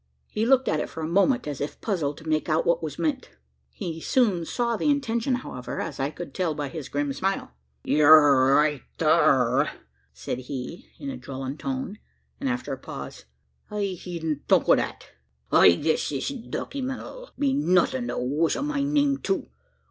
He looked at it for a moment, as if puzzled to make out what was meant. He soon saw the intention, however, as I could tell by his grim smile. "You're right thur!" said he, in a drawling tone, and after a pause. "I hedn't thunk o' that. I guess this dockyment 'll be nothin' the wuss o' my name too?